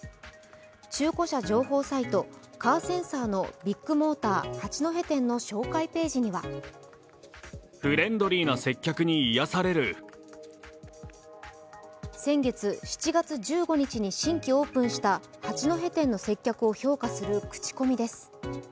中古車情報サイト「カーセンサー」のビッグモーター八戸店の紹介ページには先月７月１５日に新規オープンした八戸店の接客を評価する口コミです。